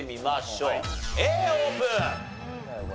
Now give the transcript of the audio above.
Ａオープン！